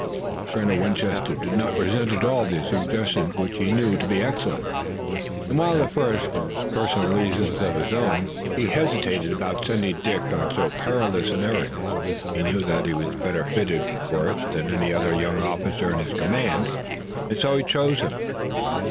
Colonel Winchester did not resent at all these suggestions, which he knew to be excellent, and, while at first, for personal reasons of his own, he hesitated about sending Dick on so perilous an errand, he knew that he was better fitted for it than any other young officer in his command, and so he chose him.